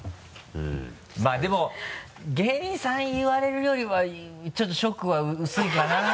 まぁでも芸人さん言われるよりはちょっとショックは薄いかな。